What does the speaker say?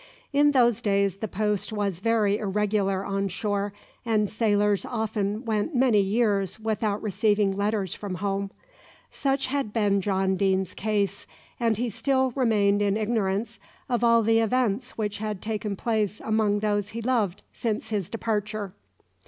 In those days the post was very irregular on shore, and sailors often went many years without receiving letters from home. Such had been John Deane's case, and he still remained in ignorance of all the events which had taken place among those he loved since his departure.